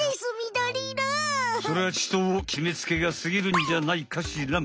それはちときめつけがすぎるんじゃないかしらん。